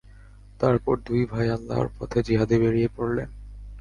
তারপর দুই ভাই আল্লাহর পথে জিহাদে বেরিয়ে পড়লেন।